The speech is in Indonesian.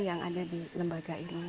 yang ada di lembaga ini